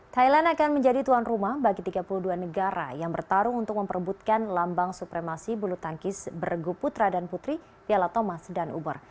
thailand akan menjadi tuan rumah bagi tiga puluh dua negara yang bertarung untuk memperebutkan lambang supremasi bulu tangkis bergu putra dan putri piala thomas dan uber